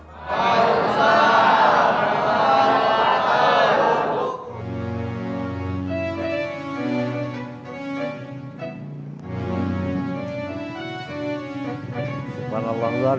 assalamualaikum warahmatullahi wabarakatuh